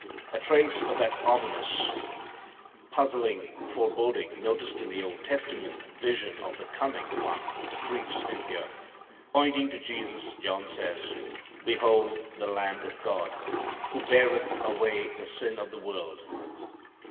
A trace of that ominous, puzzling foreboding noticed in the Old Testament vision of the coming One creeps in here. Pointing to Jesus, John says, "Behold the lamb of God, who beareth (away) the sin of the world."